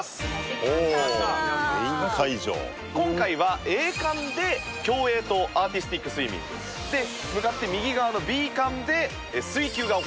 今回はＡ館で競泳とアーティスティックスイミングで向かって右側のＢ館で水球が行われるという事です。